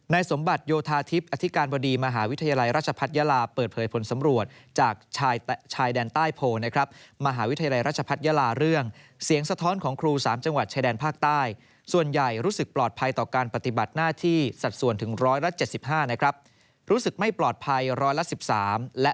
สมบัติโยธาทิพย์อธิการบดีมหาวิทยาลัยราชพัฒนยาลาเปิดเผยผลสำรวจจากชายแดนใต้โพลนะครับมหาวิทยาลัยราชพัฒนยาลาเรื่องเสียงสะท้อนของครู๓จังหวัดชายแดนภาคใต้ส่วนใหญ่รู้สึกปลอดภัยต่อการปฏิบัติหน้าที่สัดส่วนถึง๑๗๕นะครับรู้สึกไม่ปลอดภัยร้อยละ๑๓และ